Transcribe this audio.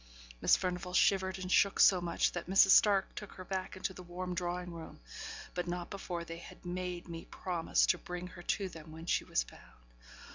Miss Furnivall shivered and shook so much, that Mrs. Stark took her back into the warm drawing room; but not before they had made me promise to bring her to them when she was found.